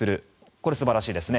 これ素晴らしいですね。